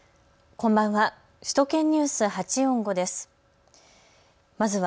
こんばんは。